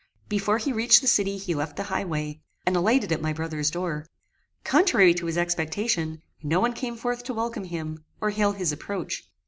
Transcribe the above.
Before he reached the city he left the highway, and alighted at my brother's door. Contrary to his expectation, no one came forth to welcome him, or hail his approach.